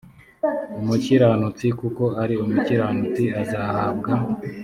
umukiranutsi kuko ari umukiranutsi azahabwa